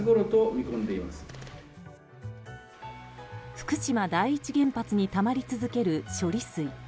福島第一原発にたまり続ける処理水。